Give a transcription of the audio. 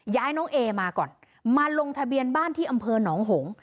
ย้ายน้องเอมาก่อนมาลงทะเบียนบ้านที่อำเภอหนองหง